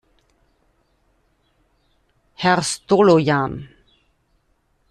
Herr Stolojan!